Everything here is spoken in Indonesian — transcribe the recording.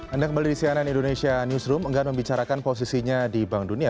anda kembali di cnn indonesia newsroom enggan membicarakan posisinya di bank dunia